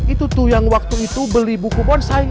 itu tuh yang waktu itu beli buku bonsai